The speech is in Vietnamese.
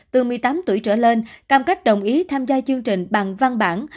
từ một mươi tám tuổi trở lên cam kết đồng ý tham gia chương trình bằng văn bản